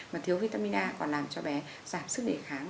mà thiếu vitamin a còn làm cho bé giảm sức đề kháng